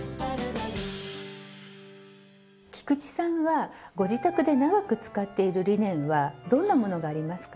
菊池さんはご自宅で長く使っているリネンはどんなものがありますか？